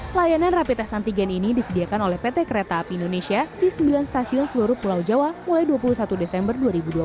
pelayanan rapi tes antigen ini disediakan oleh pt kereta api indonesia di sembilan stasiun seluruh pulau jawa mulai dua puluh satu desember dua ribu dua puluh